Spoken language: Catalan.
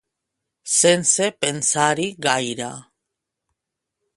Sense pensar-hi gaire.